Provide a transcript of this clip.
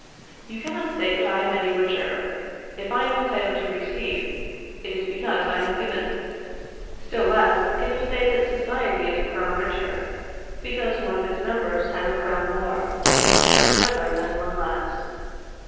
You cannot say that I am any richer; if I am entitled to receive, it is because I have given. Still less can you say that society is a crown richer, because one of its members has a crown more, and another has one less.